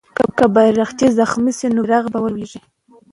که بیرغچی زخمي سي، نو بیرغ به ولويږي.